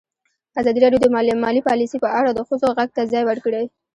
ازادي راډیو د مالي پالیسي په اړه د ښځو غږ ته ځای ورکړی.